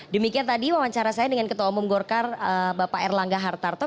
demikian tadi wawancara saya dengan ketua umum golkar bapak erlangga hartarto